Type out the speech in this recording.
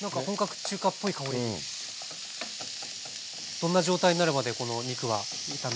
どんな状態になるまでこの肉は炒めますか？